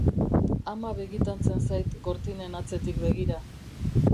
Ama begitantzen zait gortinen atzetik begira.